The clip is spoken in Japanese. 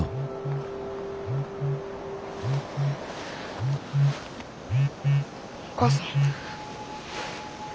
お母さん。